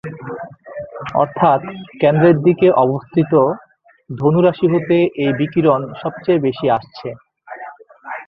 অর্থাৎ কেন্দ্রের দিকে অবস্থিত ধনু রাশি হতে এই বিকিরণ সবচেয়ে বেশি আসছে।